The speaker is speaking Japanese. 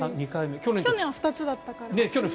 去年は２つだったから。